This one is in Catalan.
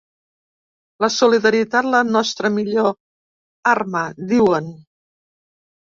La solidaritat, la nostra millor arma!, diuen.